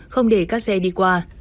không để các xe đi qua